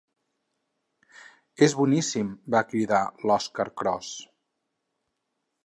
És boníssim! —va cridar l'Oskar Kroos.